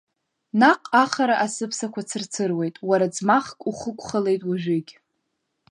Наҟ ахара асыԥсақәа цырцыруеит, уара ӡмахк ухықәхалеит уажәыгь.